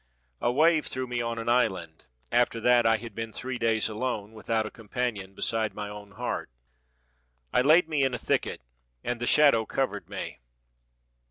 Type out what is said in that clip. A wave threw me on an island, after that I had been three days alone, without a companion beside my own heart. I laid me in a thicket, and the shadow covered me.